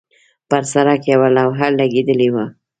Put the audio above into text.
پر سړک یوه لوحه لګېدلې وه.